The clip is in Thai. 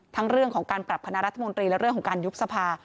เรื่องของการปรับคณะรัฐมนตรีและเรื่องของการยุบสภา